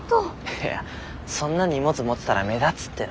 いやそんな荷物持ってたら目立つっての。